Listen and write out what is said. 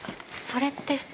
それって？